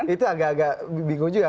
itu agak agak bingung juga